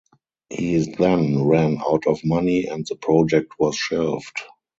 He then ran out of money and the project was shelved.